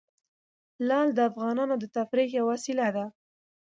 لعل د افغانانو د تفریح یوه وسیله ده.